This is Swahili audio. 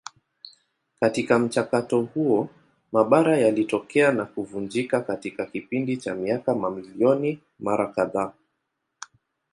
Katika mchakato huo mabara yalitokea na kuvunjika katika kipindi cha miaka mamilioni mara kadhaa.